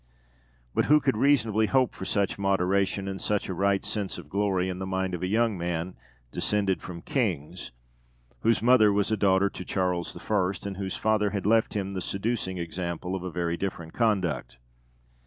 But who could reasonably hope for such moderation, and such a right sense of glory, in the mind of a young man descended from kings, whose mother was daughter to Charles I., and whose father had left him the seducing example of a very different conduct?